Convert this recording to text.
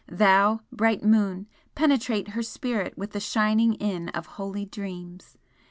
thou, bright Moon, penetrate her spirit with the shining in of holy dreams!